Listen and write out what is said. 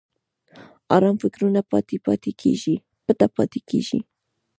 ارام فکرونه پټ پاتې کېږي.